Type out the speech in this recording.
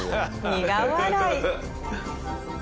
苦笑い。